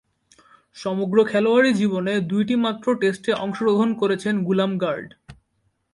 সমগ্র খেলোয়াড়ী জীবনে দুইটিমাত্র টেস্টে অংশগ্রহণ করেছেন গুলাম গার্ড।